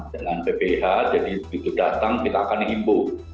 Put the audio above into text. dengan ppih jadi begitu datang kita akan himpu